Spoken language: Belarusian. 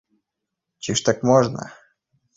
Ці ж так можна?